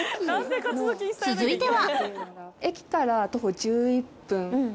［続いては］